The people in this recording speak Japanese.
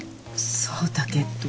そうだけど。